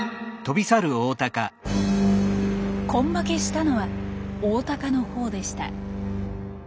根負けしたのはオオタカのほうでした。